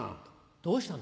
どうしたの？